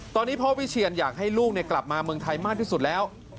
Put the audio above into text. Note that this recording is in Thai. ตอนนี้พ่อวิเชียนอยากให้ลูกกลับมาเมืองไทยมากที่สุดแล้ว